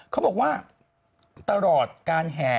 เขาบอกว่าตลอดการแห่